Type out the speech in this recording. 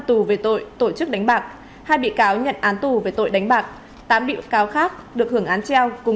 tù về tội tổ chức đánh bạc hai bị cáo nhận án tù về tội đánh bạc tám bị cáo khác được hưởng án treo cùng